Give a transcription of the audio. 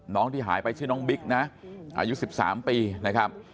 ที่หายไปชื่อน้องบิ๊กนะอายุ๑๓ปีนะครับ